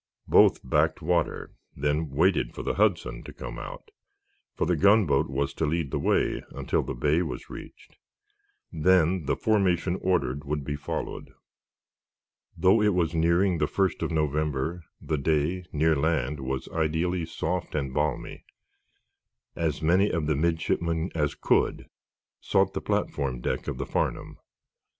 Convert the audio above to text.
Both backed water, then waited for the "Hudson" to come out, for the gunboat was to lead the way until the Bay was reached. Then the formation ordered would be followed. Though it was nearing the first of November, the day, near land, was ideally soft and balmy. As many of the midshipmen as could sought the platform deck of the "Farnum."